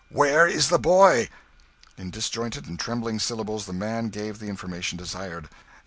"Where is the boy?" In disjointed and trembling syllables the man gave the information desired.